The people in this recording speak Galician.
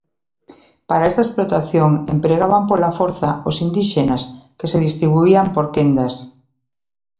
Para esta explotación empregaban pola forza os indíxenas que se distribuían por quendas.